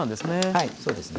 はいそうですね。